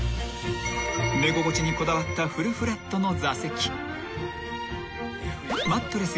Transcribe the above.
［寝心地にこだわったフルフラットの座席］